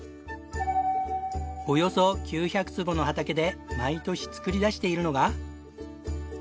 およそ９００坪の畑で毎年作り出しているのが。